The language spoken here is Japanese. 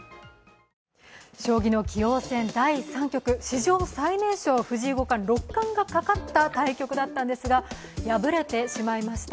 将棋の棋王戦第３局、史上最年少、藤井五冠、六冠がかかった対局だったんですが敗れてしまいました。